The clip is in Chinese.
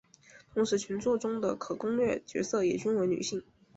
同时全作中的可攻略角色也均为女性。